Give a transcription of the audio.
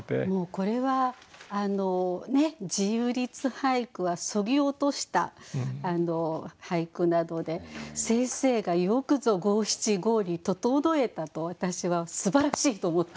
これはね自由律俳句はそぎ落とした俳句なので先生がよくぞ五七五に整えたと私はすばらしいと思っております。